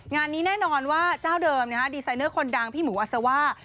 งานนี้แน่นอนว่าเจ้าเดิมดีไซเนอร์คนดังพี่หมูอัศว่า